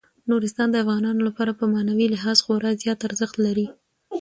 نورستان د افغانانو لپاره په معنوي لحاظ خورا زیات ارزښت لري.